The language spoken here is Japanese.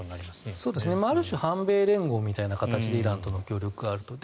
ある種反米連合という形でイランの協力があると。